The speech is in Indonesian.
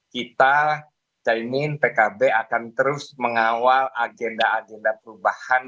kita caimin pkb akan terus mengawal agenda agenda perubahan